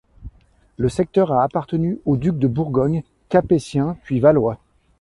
Le secteur a appartenu aux ducs de Bourgogne, capétiens puis valois.